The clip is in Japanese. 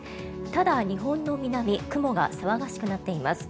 ただ、日本の南雲が騒がしくなっています。